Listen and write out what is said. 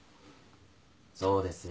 そうですよ。